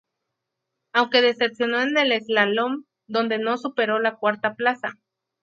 Aunque decepcionó en el slalom, donde no superó la cuarta plaza.